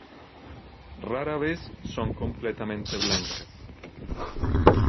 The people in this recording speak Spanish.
Rara vez son completamente blancas.